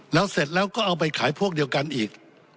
แล้วเสร็จแล้วก็เอาไปขายพวกเดียวกันอีก